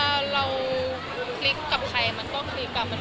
ก็เวลาเราคลิกกับใครมันก็คลิกกับมนุษย์